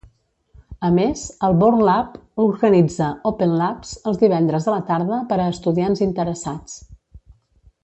A més, el Bourn Lab organitza "Open Labs" els divendres a la tarda per a estudiants interessats.